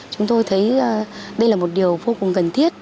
chúng tôi thấy đây là một điều vô cùng cần thiết